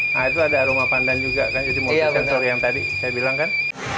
nah itu ada aroma pandan juga kan itu multi sensor yang tadi saya bilang kan